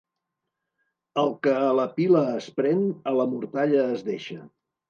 El que a la pila es pren, a la mortalla es deixa.